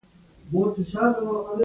دا د مړینې او تباهۍ ویرونکې ننداره ده.